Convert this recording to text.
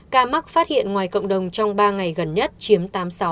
ca mắc phát hiện ngoài cộng đồng trong ba ngày gần nhất chiếm tám mươi sáu